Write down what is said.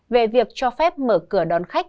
về việc cho phép mở cửa đón khách